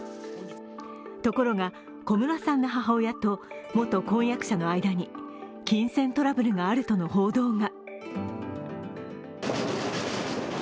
ところが、小室さんの母親と元婚約者の間に金銭トラブルがあるとの報道が。